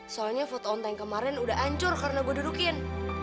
soalnya foto ontak yang kemarin udah ancur karena gue dudukin